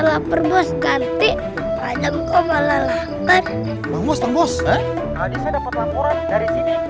lapar bos ganti banyak kok malah laper